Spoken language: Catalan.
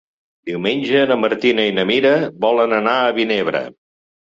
Diumenge na Martina i na Mira volen anar a Vinebre.